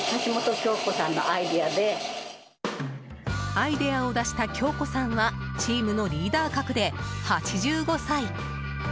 アイデアを出した京子さんはチームのリーダー格で、８５歳。